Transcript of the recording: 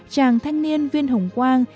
chàng thanh niên viên hồng quang